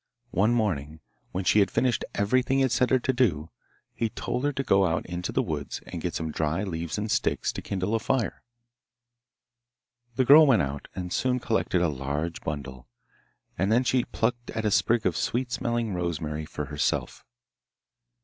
One morning when she had finished everything he had set her to do, he told her to go out into the woods and get some dry leaves and sticks to kindle a fire. The girl went out, and soon collected a large bundle, and then she plucked at a sprig of sweet smelling rosemary for herself.